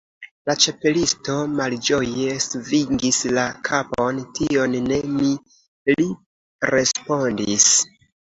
La Ĉapelisto malĝoje svingis la kapon. "Tion ne mi," li respondis."